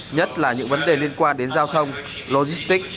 nhất là những vấn đề liên quan đến giao thông logistics